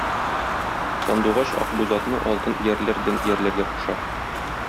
Сандугач Акбүз атны алтын иярләр белән иярләргә куша.